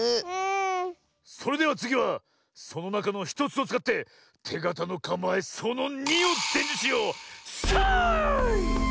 それではつぎはそのなかの１つをつかっててがたのかまえその２をでんじゅしよう。さい！